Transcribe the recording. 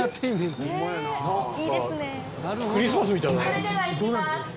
それではいきます。